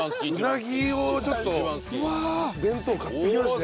うなぎをちょっと弁当買ってきまして。